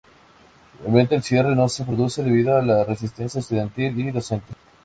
Finalmente el cierre no se produce debido a la resistencia estudiantil y docente.